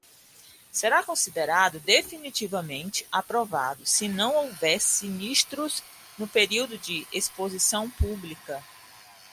Será considerado definitivamente aprovado se não houver sinistros no período de exposição pública.